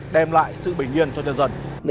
đem lại sự bình yên cho nhân dân